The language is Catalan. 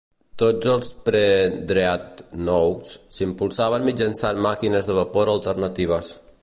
Tots els pre-dreadnoughts s'impulsaven mitjançant màquines de vapor alternatives.